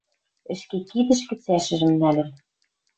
Ӹшке кидӹшкӹ цӓшӹжӹм нӓлӹн.